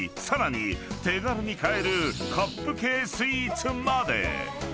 ［さらに手軽に買えるカップ系スイーツまで］